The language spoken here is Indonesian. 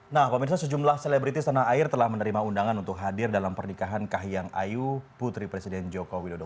nah pemirsa sejumlah selebritis tanah air telah menerima undangan untuk hadir dalam pernikahan kahiyang ayu putri presiden joko widodo